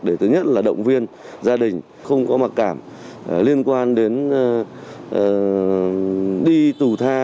để thứ nhất là động viên gia đình không có mặc cảm liên quan đến đi tù tha